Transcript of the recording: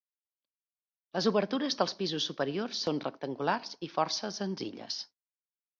Les obertures dels pisos superiors són rectangulars i força senzilles.